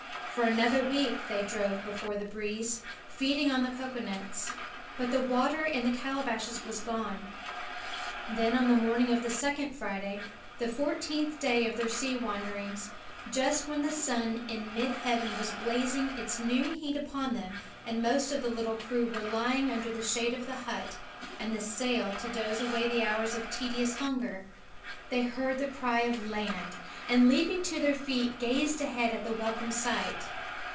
For another week they drove before the breeze, feeding on the cocoa nuts. But the water in the calabashes was gone. Then on the morning of the second Friday, the fourteenth day of their sea wanderings, just when the sun in mid heaven was blazing its noon heat upon them and most of the little crew were lying under the shade of the hut and the sail to doze away the hours of tedious hunger, they heard the cry of "Land!" and leaping to their feet gazed ahead at the welcome sight.